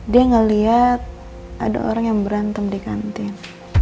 dia melihat ada orang yang berantem di kantin